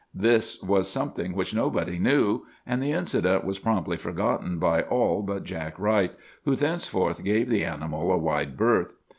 "This was something which nobody knew; and the incident was promptly forgotten by all but Jack Wright, who thenceforth gave the animal a wide berth.